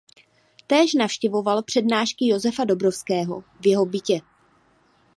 Též navštěvoval přednášky Josefa Dobrovského v jeho bytě.